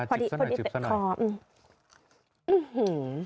จิ๊บซะหน่อยจิ๊บซะหน่อย